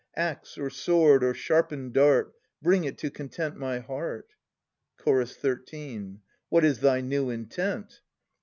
Axe or sword or sharpened dart. Bring it to content my heart. Ch. 13. What is thy new intent?